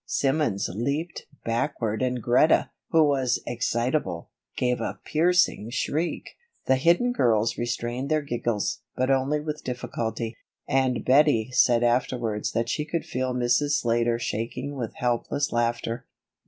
Simmons leaped backward and Greta, who was excitable, gave a piercing shriek. The hidden girls restrained their giggles, but only with difficulty; and Bettie said afterwards that she could feel Mrs. Slater shaking with helpless laughter.